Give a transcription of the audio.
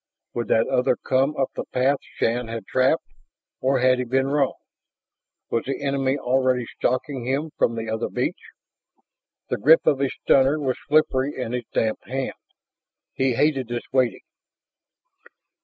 Would that other come up the path Shann had trapped? Or had he been wrong? Was the enemy already stalking him from the other beach? The grip of his stunner was slippery in his damp hand; he hated this waiting.